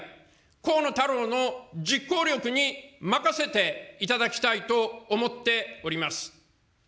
河野太郎の実行力に任せていただきたいと思っております。